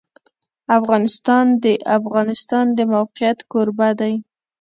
افغانستان د د افغانستان د موقعیت کوربه دی.